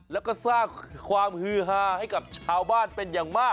แล้วก็สร้างความฮือฮาให้กับชาวบ้านเป็นอย่างมาก